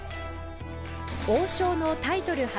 王将のタイトル初